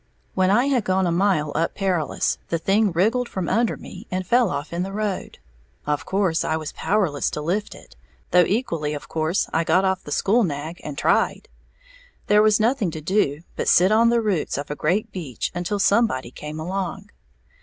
When I had gone a mile up Perilous, the thing wriggled from under me and fell off in the road. Of course I was powerless to lift it, though equally of course I got off the school nag and tried. There was nothing to do but sit on the roots of a great beech until somebody came along.